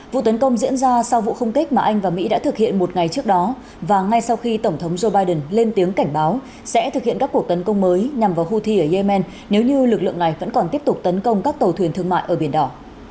vụ tấn công diễn ra sau vụ không kích mà anh và mỹ đã thực hiện một ngày trước đó và ngay sau khi tổng thống joe biden lên tiếng cảnh báo sẽ thực hiện các cuộc tấn công mới nhằm vào houthi ở yemen nếu như lực lượng này vẫn còn tiếp tục tấn công các tàu thuyền thương mại ở biển đỏ